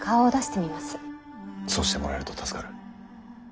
そうしてもらえると助かる。